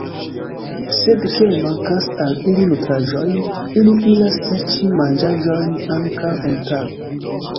Sed kiam mankas al ili nutraĵoj, ili iras serĉi manĝaĵojn ankaŭ en tago.